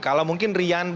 kalau mungkin rian belum